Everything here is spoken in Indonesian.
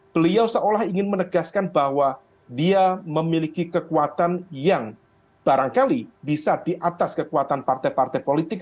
beliau seolah ingin menegaskan bahwa dia memiliki kekuatan yang barangkali bisa di atas kekuatan partai partai politik